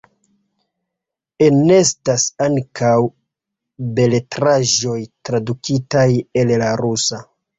Enestas ankaŭ beletraĵoj tradukitaj el la rusa.